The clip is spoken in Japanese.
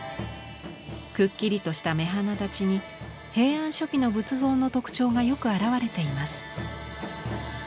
くっきりとした目鼻立ちに平安初期の仏像の特徴がよく表れています。